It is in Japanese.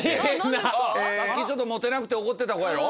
さっきちょっとモテなくて怒ってた子やろ？